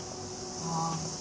ああ。